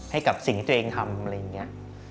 ให้กับสิ่งที่ตัวเองทำ